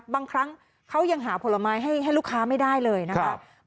บางครั้งเขายังหาผลไม้ให้ลูกค้าไม่ได้เลยนะครับ